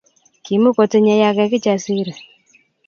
Kimukotinyei age Kijasiri